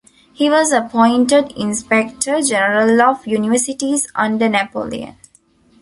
He was appointed inspector-general of universities under Napoleon.